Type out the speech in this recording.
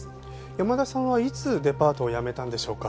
山田さんはいつデパートを辞めたんでしょうか？